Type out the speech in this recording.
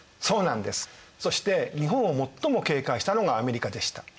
そして日本を最も警戒したのがアメリカでした。